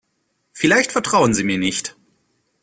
Vielleicht trauen Sie mir nicht.